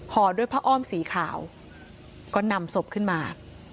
ห่อด้วยผ้าอ้อมสีขาวก็นำศพขึ้นมา